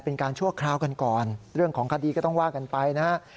ชั่วคราวกันก่อนเรื่องของคดีก็ต้องว่ากันไปนะฮะ